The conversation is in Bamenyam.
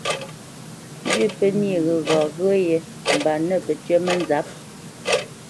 Mbî pə́ nyê ghəgha ghyə́yé mba nə̂ pəcyə́ mənzǎp.